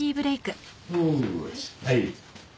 はい。